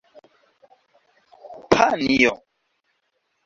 panjo